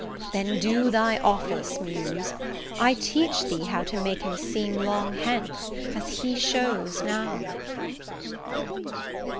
Then do thy office, Muse; I teach thee how To make him seem long hence as he shows now.